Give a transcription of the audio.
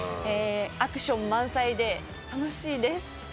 アクション満載で、楽しいです。